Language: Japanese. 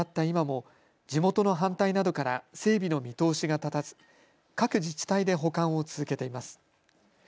今も地元の反対などから整備の見通しが立たず各自治体で保管を続けています。